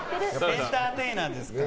エンターテイナーですから。